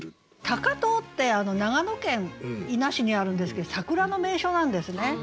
高遠って長野県伊那市にあるんですけど桜の名所なんですね。